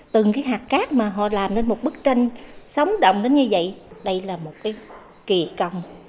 từng cái hạt cát mà họ làm nên một bức tranh sóng động đến như vậy đây là một cái kỳ công